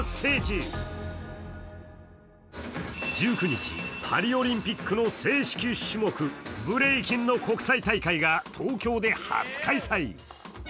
１９日、パリオリンピックの正式種目ブレイキンの国際大会が東京で初開催。